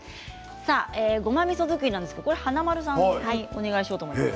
ごまみそ作りですが華丸さんお願いしようと思います。